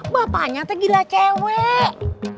bapaknya tuh gila cewek